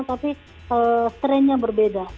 tapi strain nya berbeda